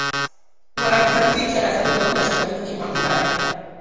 wa atlantiki ya kaskazini walioko mashariki mwa Ulaya